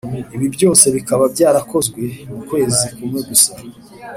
ibi byose bikaba byarakozwe mu kwezi kumwe gusa.